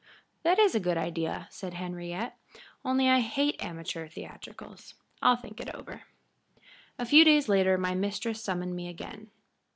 "That is a good idea," said Henriette; "only I hate amateur theatricals. I'll think it over." A few days later my mistress summoned me again.